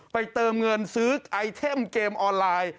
เติมเงินซื้อไอเทมเกมออนไลน์